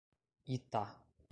Itá